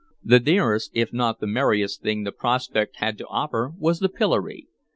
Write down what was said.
The nearest if not the merriest thing the prospect had to offer was the pillory.